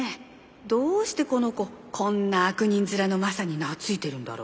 どうしてこの子こんな悪人面のマサに懐いてるんだろう。